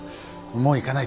もう行かないと。